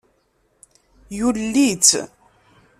Yulel-itt.